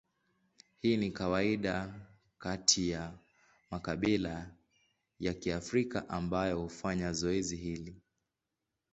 Hii ni kawaida kati ya makabila ya Kiafrika ambayo hufanya zoezi hili.